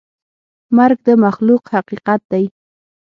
مرګ د مخلوق حقیقت دی.